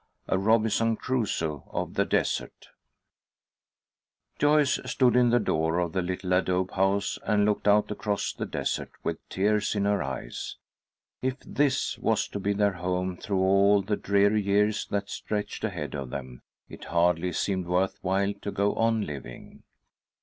A ROBINSON CRUSOE OF THE DESERT JOYCE stood in the door of the little adobe house, and looked out across the desert with tears in her eyes. If this was to be their home through all the dreary years that stretched ahead of them, it hardly seemed worth while to go on living.